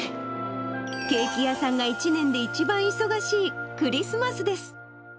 ケーキ屋さんが一年で一番忙しい、クリスマスです。